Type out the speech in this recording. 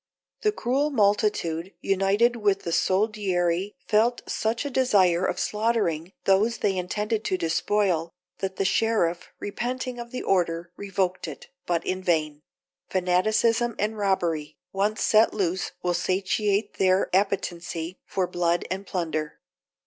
The cruel multitude, united with the soldiery, felt such a desire of slaughtering those they intended to despoil, that the sheriff, repenting of the order, revoked it, but in vain; fanaticism and robbery once set loose will satiate their appetency for blood and plunder.